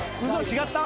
違った？